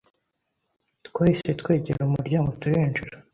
Twahise twegera umuryango turinjira